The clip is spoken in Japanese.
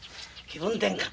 気分転換。